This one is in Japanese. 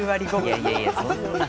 いやいやいやそんな。